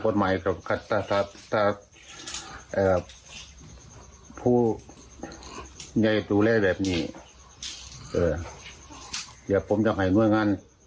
เดี๋ยวผมอยากให้หน่วยงาน